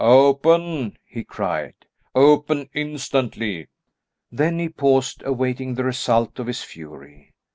"Open!" he cried; "open instantly!" Then he paused, awaiting the result of his fury.